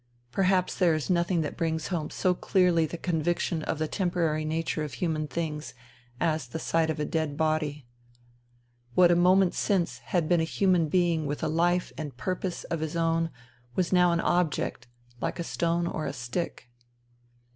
Perhaps there is nothing that brings home so clearly the conviction of the tem porary nature of human things as the sight of a dead body. What a moment since had been a human being with a life and purpose of his own was now an object, like a stone or a stick.